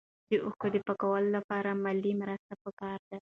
د اوښکو د پاکولو لپاره مالي مرسته پکار ده.